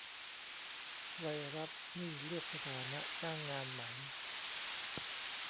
ไวรัสนี่เลือกสถานะจ้างงานไหม